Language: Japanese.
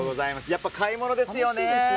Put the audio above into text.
やっぱ買い物ですよね。